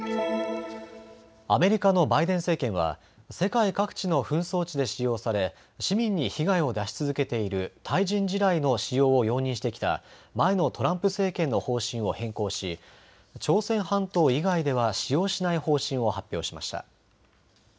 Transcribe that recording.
アメリカのバイデン政権は世界各地の紛争地で使用され市民に被害を出し続けている対人地雷の使用を容認してきた前のトランプ政権の方針を変更し朝鮮半島以外では使用しない方針を発表しました。